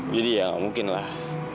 jadi ya enggak mungkin lah